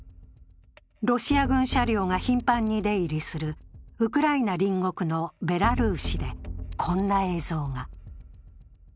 ロシア軍車両が頻繁に出入りするウクライナ隣国のベラルーシでこんな映像が。